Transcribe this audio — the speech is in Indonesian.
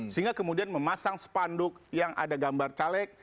sehingga kemudian memasang spanduk yang ada gambar caleg